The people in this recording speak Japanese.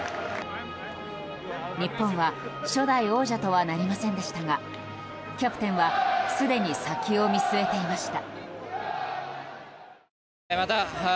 日本は初代王者とはなりませんでしたがキャプテンはすでに先を見据えていました。